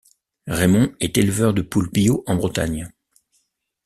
Raymond est éleveur de poules bio en Bretagne.